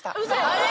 あれ？